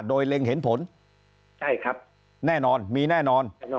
โดยเล็งเห็นผลใช่ครับแน่นอนมีแน่นอน